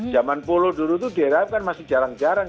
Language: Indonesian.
zaman puluh dulu itu direhat kan masih jarang jarang